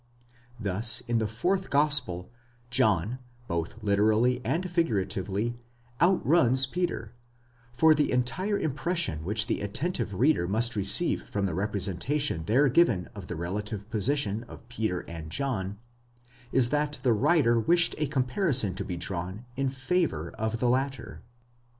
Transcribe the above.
Thus in the fourth gospel, John, both literally and figuratively, ou¢runs Peter, for the entire impression which the attentive reader must receive from the representa tion there given of the relative position of Peter and John, is that the writer wished a comparison to be drawn in favour of the latter.